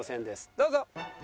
どうぞ！